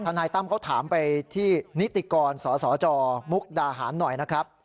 นายตั้มเขาถามไปที่นิติกรสสจมุกดาหารหน่อยนะครับ